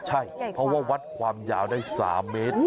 ใช่เพราะว่าวัดความยาวได้๓๕เกือบ๔เมตรอ่ะ